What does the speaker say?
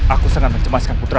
aku sangat mencemaskan putraku